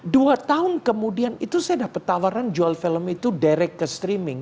dua tahun kemudian itu saya dapat tawaran jual film itu direct ke streaming